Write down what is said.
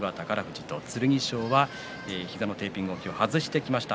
剣翔は膝のテーピングを今日外してきました。